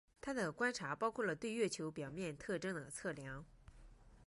他的观察包括了对月球表面特征的测量。